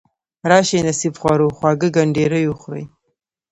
راشئ نصیب خورو خواږه کنډیري وخورئ.